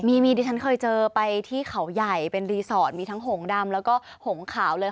มีดิฉันเคยเจอไปที่เขาใหญ่เป็นรีสอร์ทมีทั้งหงดำแล้วก็หงขาวเลย